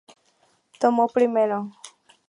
Tomo primero.